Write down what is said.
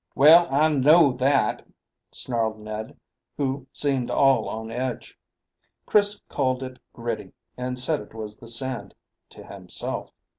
"Well, I know that," snarled Ned, who seemed all on edge. Chris called it gritty, and said it was the sand to himself.